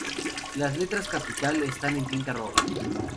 Las letras capital están en tinta roja.